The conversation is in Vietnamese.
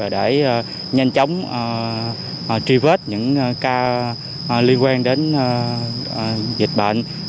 để nhanh chóng truy vết những ca liên quan đến dịch bệnh